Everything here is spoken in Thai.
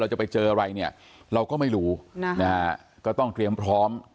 จะไปเจออะไรเนี่ยเราก็ไม่รู้นะฮะก็ต้องเตรียมพร้อม